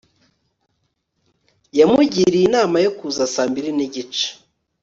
yamugiriye inama yo kuza saa mbiri n'igice